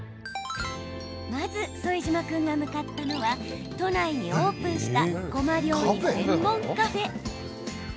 まず、副島君が向かったのは都内にオープンしたごま料理専門カフェ。